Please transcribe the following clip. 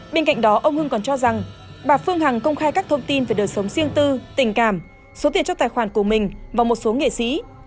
bên cạnh đó ông hưng còn cho rằng bà phương hằng công khai các thông tin về đời sống riêng tư tình cảm số tiền cho tài khoản của mình và một số nghệ sĩ